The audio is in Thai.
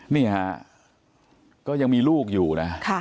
นี่ฮะก็ยังมีลูกอยู่นะ